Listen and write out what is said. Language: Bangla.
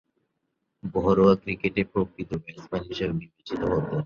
ঘরোয়া ক্রিকেটে প্রকৃত ব্যাটসম্যান হিসেবে বিবেচিত হতেন।